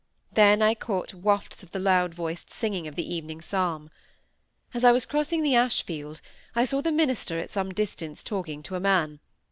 Then I caught wafts of the loud voiced singing of the evening psalm. As I was crossing the Ashfield, I saw the minister at some distance talking to a man.